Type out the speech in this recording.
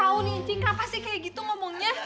tau nih cing kenapa sih kayak gitu ngomongnya